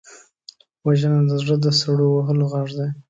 وژنه د زړه د سړو وهلو غږ دی